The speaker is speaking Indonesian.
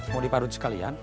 mau diparut sekalian